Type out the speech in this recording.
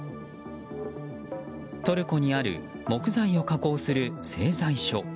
トルコにある木材を加工する製材所。